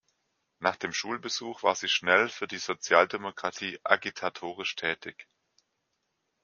Nach dem Schulbesuch war sie schnell für die Sozialdemokratie agitatorisch tätig.